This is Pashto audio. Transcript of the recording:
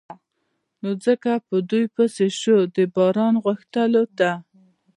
نو ځکه په دوی پسې شو د باران غوښتلو ته.